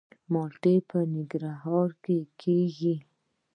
مالټې په ننګرهار کې کیږي